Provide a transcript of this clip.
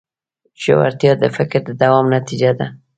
ژورتیا د فکر د دوام نتیجه ده.